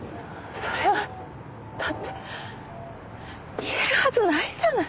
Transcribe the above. それはだって言えるはずないじゃない。